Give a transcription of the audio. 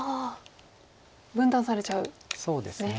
分断されちゃうんですね。